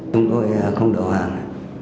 chúng tôi không đầu hàng